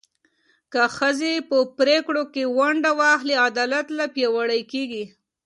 که ښځې په پرېکړو کې ونډه واخلي، عدالت لا پیاوړی کېږي.